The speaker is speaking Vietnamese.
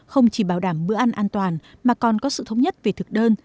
không chỉ bảo đảm bữa ăn an toàn mà còn có sự thống nhất về thực đơn